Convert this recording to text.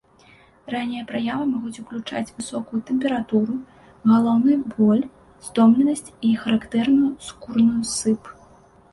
Раннія праявы могуць ўключаць высокую тэмпературу, галаўны боль, стомленасць і характэрную скурную сып.